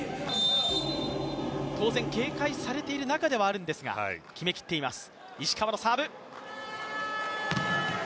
当然警戒されている中ではあるんですが、決めきっています。